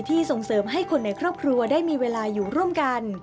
ส่งเสริมให้คนในครอบครัวได้มีเวลาอยู่ร่วมกัน